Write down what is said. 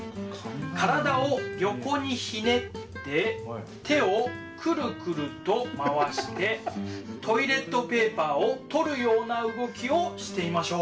体を横にひねって手をクルクルと回してトイレットペーパーを取るような動きをしてみましょう。